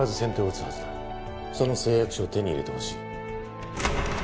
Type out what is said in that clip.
その誓約書を手に入れてほしい。